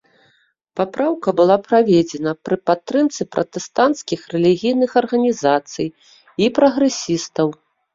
Папраўка была праведзена пры падтрымцы пратэстанцкіх рэлігійных арганізацый і прагрэсістаў.